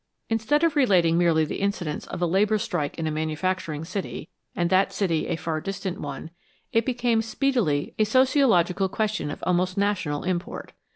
Instead of relating merely the incidents of a labor strike in a manufacturing city and that city a far distant one it became speedily a sociological question of almost national import.